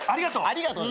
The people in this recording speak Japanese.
ありがとう。